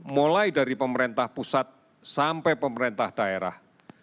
mulai dari pemerintah pusat sampai pemerintah daerah